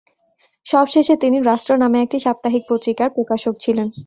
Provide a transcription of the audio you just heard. সব শেষে তিনি রাষ্ট্র নামে একটি সাপ্তাহিক পত্রিকার প্রকাশক ছিলেন।